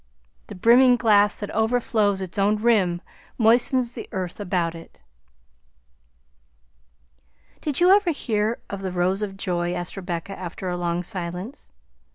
The brimming glass that overflows its own rim moistens the earth about it." "Did you ever hear of The Rose of Joy?" asked Rebecca, after a long silence.